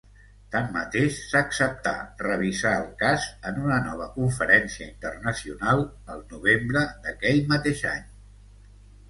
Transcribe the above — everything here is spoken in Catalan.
Tanmateix s'acceptà revisar el cas en una nova conferència internacional el novembre d'aquell mateix any.